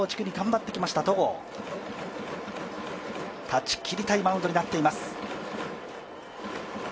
断ち切りたいマウンドになっています。